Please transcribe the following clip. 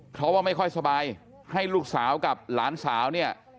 เพราะว่าไม่ค่อยสบายให้ลูกสาวกับหลานสาวเนี่ย